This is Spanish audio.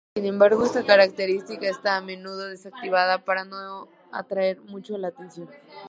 Sin embargo, esta característica está a menudo desactivada para no atraer mucho la atención.